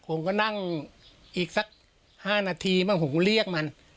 ผมก็นั่งอีกสัก๕นาทีบ้างผมก็เรียกมัน